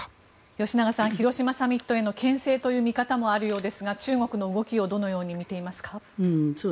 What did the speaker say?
吉永さん広島サミットへのけん制という見方もあるようですが中国の動きをどのように見ていますか。